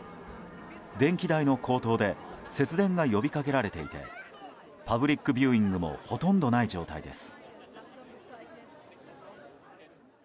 電気代の高騰で節電が呼びかけられていてパブリックビューイングもほとんどない状態です。